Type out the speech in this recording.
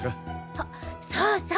あそうそう！